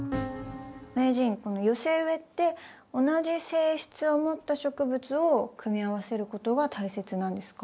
名人この寄せ植えって同じ性質を持った植物を組み合わせることが大切なんですか？